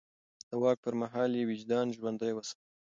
د واک پر مهال يې وجدان ژوندی وساته.